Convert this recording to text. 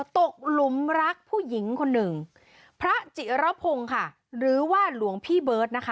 หลุมรักผู้หญิงคนหนึ่งพระจิรพงศ์ค่ะหรือว่าหลวงพี่เบิร์ตนะคะ